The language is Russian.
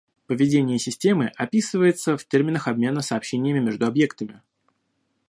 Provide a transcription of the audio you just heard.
Поведение системы описывается в терминах обмена сообщениями между объектами